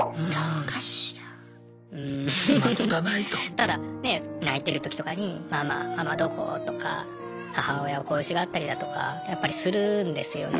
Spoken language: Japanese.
ただねえ泣いてるときとかに「ママママどこ」とか母親を恋しがったりだとかやっぱりするんですよね。